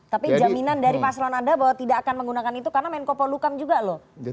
tapi jaminan dari paslon anda bahwa tidak akan menggunakan itu karena menko polukam juga loh